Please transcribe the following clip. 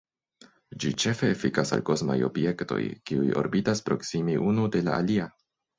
Ĝi ĉefe efikas al kosmaj objektoj, kiuj orbitas proksime unu de la alia.